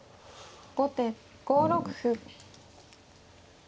後手５六歩。